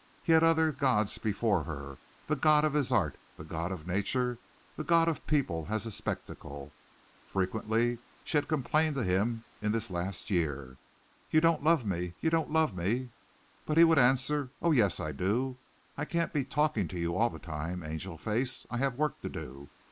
He had other gods before her the god of his art, the god of nature, the god of people as a spectacle. Frequently she had complained to him in this last year "you don't love me! you don't love me!" but he would answer, "oh, yes I do. I can't be talking to you all the time, Angel face. I have work to do.